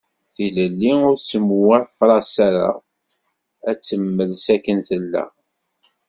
Tilelli ur tettwafras ara, ad temmels akken tella.